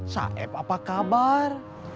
saeb apa kabar